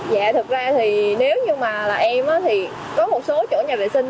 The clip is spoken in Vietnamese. dạ thực ra thì nếu như mà là em thì có một số chỗ nhà vệ sinh